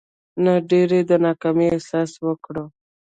نه ډېر د ناکامي احساس وکړو.